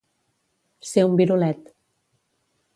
Ser un virolet.